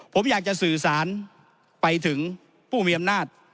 ผมอยากจะสื่อสารไปถึงผู้มีอำนาจ